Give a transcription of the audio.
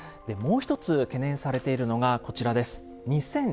もう一つ懸念されているのがこちらです。